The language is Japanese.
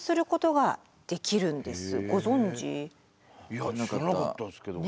いや知らなかったですけど。